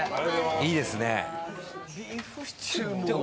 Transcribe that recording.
いいですね。